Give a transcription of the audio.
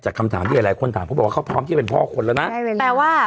จากคำถามที่หลายคนถามเขาบอกว่าเขาพร้อมที่จะเป็นพ่อคนแล้วนะ